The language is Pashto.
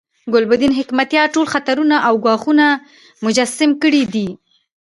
ګلبدین حکمتیار ټول خطرونه او ګواښونه مجسم کړي دي.